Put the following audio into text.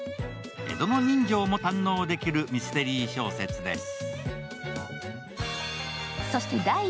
江戸の人情も堪能できるミステリー小説です。